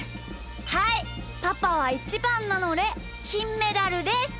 はいパパはイチバンなのできんメダルです！